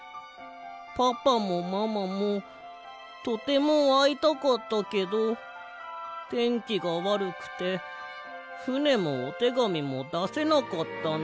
パパもママもとてもあいたかったけどてんきがわるくてふねもおてがみもだせなかったの。